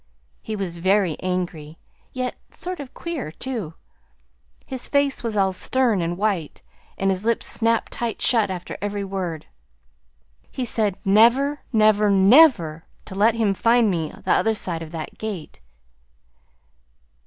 He was very angry, yet sort of queer, too. His face was all stern and white, and his lips snapped tight shut after every word. He said never, never, never to let him find me the other side of that gate."